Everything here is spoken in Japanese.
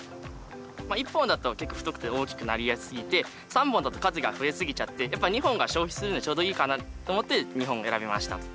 １本だと結構太くて大きくなりやすすぎて３本だと数が増えすぎちゃってやっぱ２本が消費するのにちょうどいいかなと思って２本を選びました。